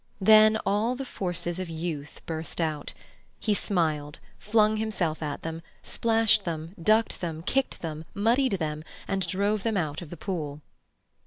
Then all the forces of youth burst out. He smiled, flung himself at them, splashed them, ducked them, kicked them, muddied them, and drove them out of the pool.